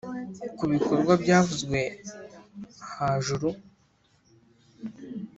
ku bikorwa byavuzwe hajuru